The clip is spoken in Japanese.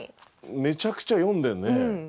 めちゃくちゃ読んでるね。